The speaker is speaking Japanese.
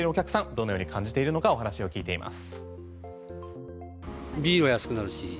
どのように感じているのかお話を聞いています。